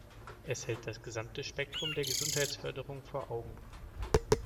Es hält das gesamte Spektrum der Gesundheitsförderung vor Augen.